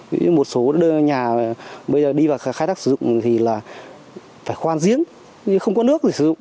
ví dụ như một số nhà bây giờ đi vào khai thác sử dụng thì là phải khoan giếng nhưng không có nước để sử dụng